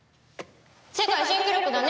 世界新記録だね！